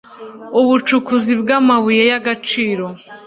Ubucukuzi bw amabuye y agaciro